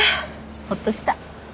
ほっとした。